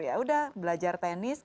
ya udah belajar tenis